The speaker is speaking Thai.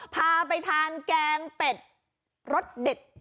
พาไปทานแกงเป็ดรสเด็ด